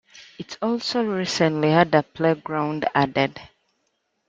It also recently had a playground added.